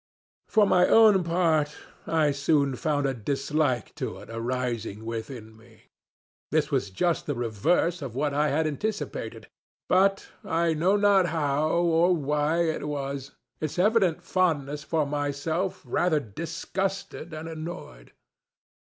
For my own part, I soon found a dislike to it arising within me. This was just the reverse of what I had anticipated; butŌĆöI know not how or why it wasŌĆöits evident fondness for myself rather disgusted and annoyed.